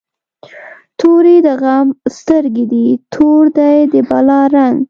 توری د غم سترګی دي، تور دی د بلا رنګ